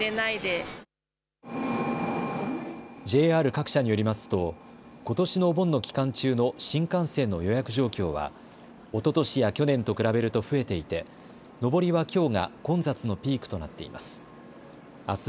ＪＲ各社によりますとことしのお盆の期間中の新幹線の予約状況は、おととしや去年と比べると増えていて上りはきょうが混雑のピークとなっています。